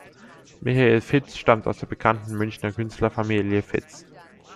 Michael Fitz stammt aus der bekannten Münchner Künstlerfamilie Fitz.